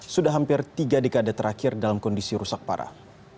sudah hampir tiga dekade terakhir dalam kondisi rusak parah